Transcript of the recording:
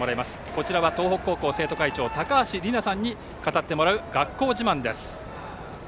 こちらは東北高校生徒会長高橋里奈さんに語ってもらう学校自慢です。